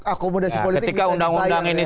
akomodasi politik nggak undang undang ini